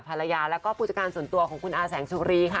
ภรรยาแล้วก็ผู้จัดการส่วนตัวของคุณอาแสงสุรีค่ะ